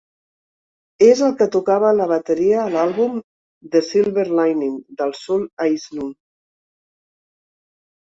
És el que tocava la bateria a l'àlbum "The Silver Lining" dels Soul Asylum.